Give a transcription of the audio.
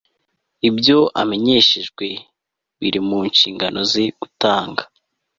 ibyo amenyeshejwe biri mu nshingano ze gutanga